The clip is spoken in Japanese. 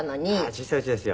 小さい家ですよ。